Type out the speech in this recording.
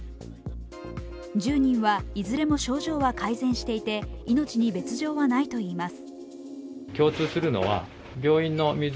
１０人はいずれも症状は改善していて命に別状はないといいます。